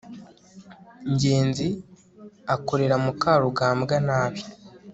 ngenzi akorera mukarugambwa nabi